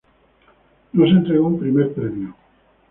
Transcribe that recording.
No se entregó un primer premio.